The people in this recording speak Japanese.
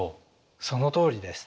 そのとおりです。